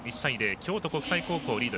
京都国際リード。